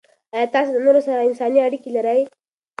آیا تاسې له نورو سره انساني اړیکې لرئ؟